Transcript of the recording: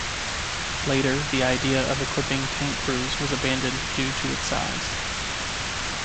Later the idea of equipping tank crews was abandoned due to its size.